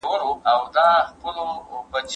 هغې ته زما د زړه غږ لا نه دی رسیدلی.